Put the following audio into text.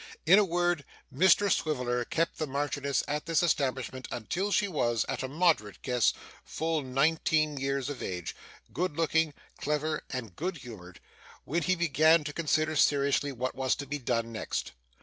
In a word, Mr Swiveller kept the Marchioness at this establishment until she was, at a moderate guess, full nineteen years of age good looking, clever, and good humoured; when he began to consider seriously what was to be done next.